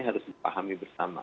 harus dipahami bersama